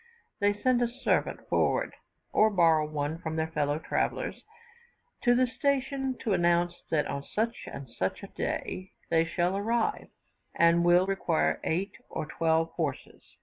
They send a servant forward or borrow one from their fellow travellers, to the station to announce that on such a day they shall arrive, and will require eight or twelve horses.